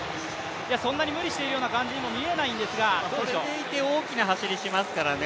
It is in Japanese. そんなに無理しているような感じもしないんですがそれでいて大きな走りをしますからね。